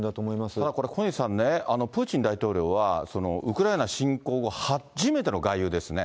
これ、小西さんね、プーチン大統領はウクライナ侵攻後初めての外遊ですね。